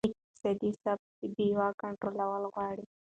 اقتصادي ثبات د بیو کنټرول غواړي.